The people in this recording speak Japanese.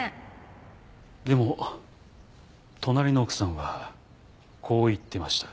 でも隣の奥さんはこう言ってました。